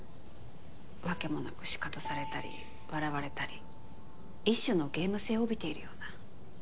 訳もなくシカトされたり笑われたり一種のゲーム性を帯びているような。